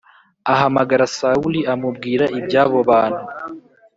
ahamagara Sawuli amubwira ibyabo bantu